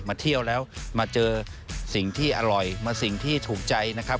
มาเที่ยวแล้วมาเจอสิ่งที่อร่อยมาสิ่งที่ถูกใจนะครับ